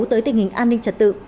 tới tình hình an ninh trật tự